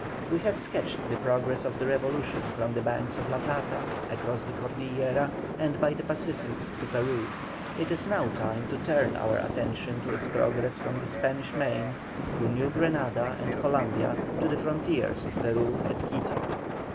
We have sketched the progress of the revolution from the banks of La Plata, across the Cordillera, and by the Pacific to Peru; it is now time to turn our attention to its progress from the Spanish Main through New Granada and Columbia to the frontiers of Peru at Quito.